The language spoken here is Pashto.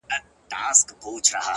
دا عجیب منظرکسي ده’ وېره نه لري امامه’